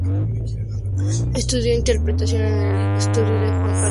Estudió interpretación en el estudio de Juan Carlos Corazza.